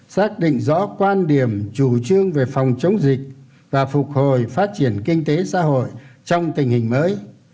xác định rõ quan điểm chủ trương về phòng chống dịch và phục hồi phát triển kinh tế xã hội trong tình hình mới